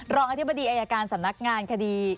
อธิบดีอายการสำนักงานคดี